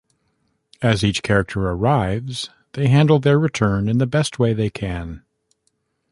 As each character arrives, they handle their return in the best way they can.